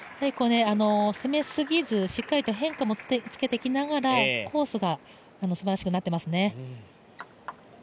攻めすぎず、しっかりと変化もつけていきながらコースがすばらしくなっていますね。